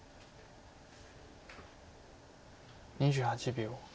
２８秒。